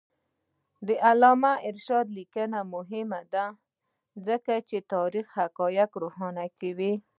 د علامه رشاد لیکنی هنر مهم دی ځکه چې تاریخي حقایق روښانه کوي.